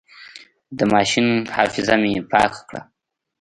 د ماشين حافظه مې پاکه کړه.